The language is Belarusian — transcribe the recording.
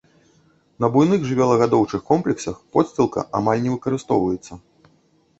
На буйных жывёлагадоўчых комплексах подсцілка амаль не выкарыстоўваецца.